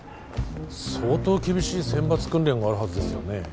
相当厳しい選抜訓練があるはずですよね